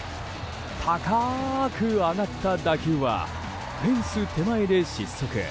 高く上がった打球はフェンス手前で失速。